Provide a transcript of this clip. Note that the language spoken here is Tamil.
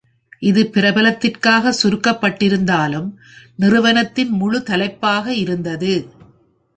இது பிரபலத்திற்காக சுருக்கப்பட்டிருந்தாலும் நிறுவனத்தின் முழு தலைப்பாக இருந்தது.